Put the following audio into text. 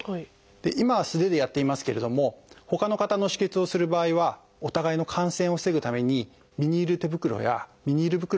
今は素手でやっていますけれどもほかの方の止血をする場合はお互いの感染を防ぐためにビニール手袋やビニール袋を使ってください。